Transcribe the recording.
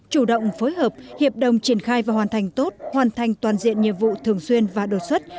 chủ động phối hợp hiệp đồng triển khai và hoàn thành tốt hoàn thành toàn diện nhiệm vụ thường xuyên và đột xuất